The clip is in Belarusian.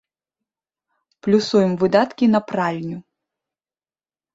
Плюсуем выдаткі на пральню.